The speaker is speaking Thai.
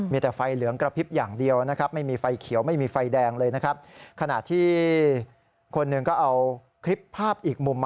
มีแต่ไฟเหลืองกระพริบอย่างเดียวนะครับ